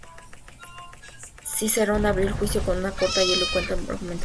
Cicerón abrió el juicio con una corta y elocuente argumentación.